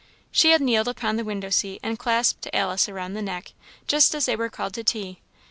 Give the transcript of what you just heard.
She had kneeled upon the window seat and clasped Alice round the neck, just as they were called to tea.